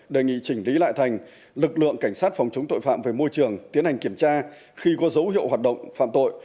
đề nghị chỉnh lý lại thành lực lượng cảnh sát phòng chống tội phạm về môi trường tiến hành kiểm tra khi có dấu hiệu hoạt động phạm tội